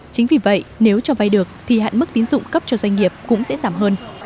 chính vì vậy nếu cho vay được thì hạn mức tín dụng cấp cho doanh nghiệp cũng sẽ giảm hơn